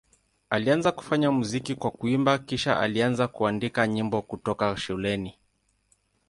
Alianza kufanya muziki kwa kuimba, kisha alianza kuandika nyimbo kutoka shuleni.